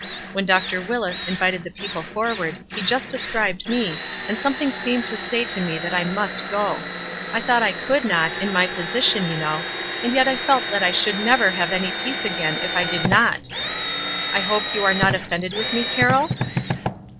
When Dr. Willis iuvited the people forward he just described me, and something seemed to say to me that I must go. I thought I could not, in my posi tion, you know; and yet I felt that I should never have any peace again if I did not. I hope you are not offended with me, Carroll?"